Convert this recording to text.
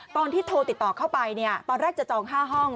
ตอนที่โทรติดต่อเข้าไปเนี่ยตอนแรกจะจอง๕ห้อง